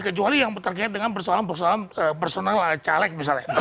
kecuali yang terkait dengan persoalan persoalan personal caleg misalnya